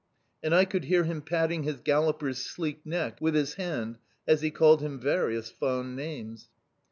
"And I could hear him patting his galloper's sleek neck with his hand, as he called him various fond names.